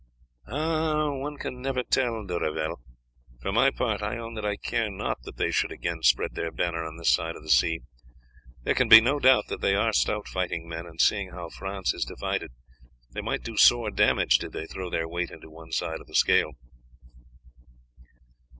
"One can never tell, De Revelle. For my part I own that I care not that they should again spread their banner on this side of the sea. There can be no doubt that they are stout fighting men, and seeing how France is divided they might do sore damage did they throw their weight into one side of the scale."